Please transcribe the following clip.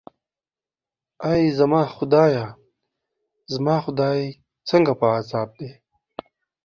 ای زما خدایه، زما خدای، څنګه په عذاب دی.